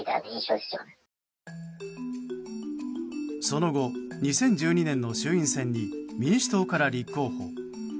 その後、２０１２年の衆院選に民主党から立候補。